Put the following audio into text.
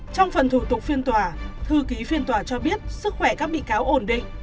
trong phần thủ tục phiên tòa thư ký phiên tòa cho biết sức khỏe các bị cáo ổn định